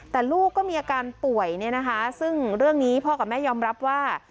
แต่ลูกก็มีอาการป่วยเนี่ยนะคะซึ่งเรื่องนี้พ่อกับแม่ยอมรับว่า